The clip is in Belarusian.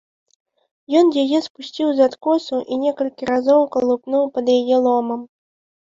Ён яе спусціў з адкосу і некалькі разоў калупнуў пад яе ломам.